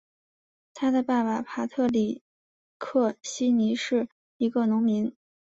他的爸爸帕特里克希尼是一个农民。